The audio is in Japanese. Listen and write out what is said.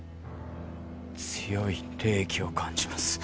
強い霊気を感じます。